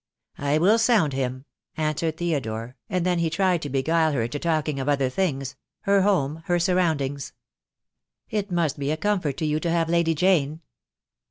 "I will sound him," answered Theodore, and then he tried to beguile her into talking of other things — her home, her surroundings. "It must be a comfort to you to have Lady Jane."